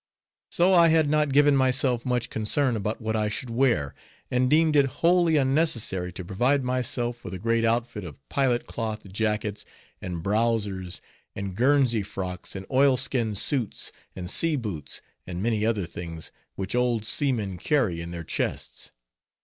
So I had not given myself much concern about what I should wear; and deemed it wholly unnecessary to provide myself with a great outfit of pilot cloth jackets, and browsers, and Guernsey frocks, and oil skin suits, and sea boots, and many other things, which old seamen carry in their chests.